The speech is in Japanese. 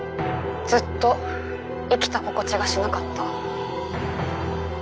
ずっと生きた心地がしなかった。